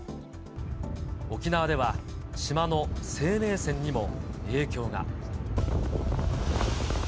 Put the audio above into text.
沖縄では、島の生命線にも影響が。